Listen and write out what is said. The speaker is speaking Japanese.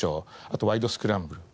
あと『ワイド！スクランブル』。